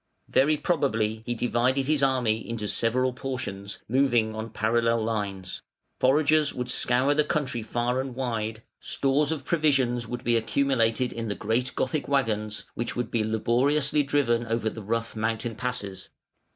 Very probably he divided his army into several portions, moving on parallel lines; foragers would scour the country far and wide, stores of provisions would be accumulated in the great Gothic waggons, which would be laboriously driven over the rough mountain passes.